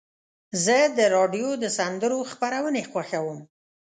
زه د راډیو د سندرو خپرونې خوښوم.